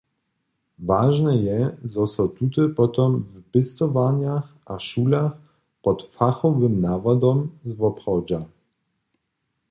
Wažne je, zo so tute potom w pěstowarnjach a šulach pod fachowym nawodom zwoprawdźa.